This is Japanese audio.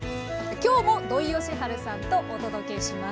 今日も土井善晴さんとお届けします。